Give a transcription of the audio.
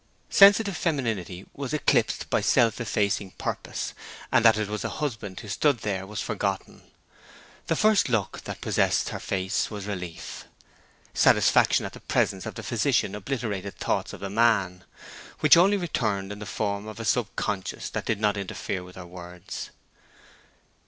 Sensitive femininity was eclipsed by self effacing purpose, and that it was a husband who stood there was forgotten. The first look that possessed her face was relief; satisfaction at the presence of the physician obliterated thought of the man, which only returned in the form of a sub consciousness that did not interfere with her words.